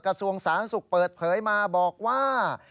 กระทรวงสาธารณสุขเปิดเผยมาบอกว่า